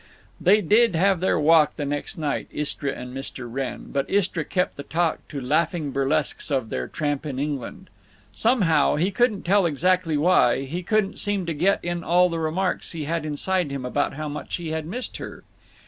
They did have their walk the next night, Istra and Mr. Wrenn, but Istra kept the talk to laughing burlesques of their tramp in England. Somehow—he couldn't tell exactly why—he couldn't seem to get in all the remarks he had inside him about how much he had missed her.